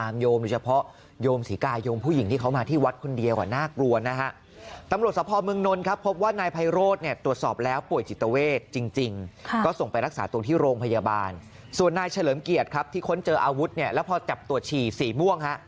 ไม่ควรตามโยม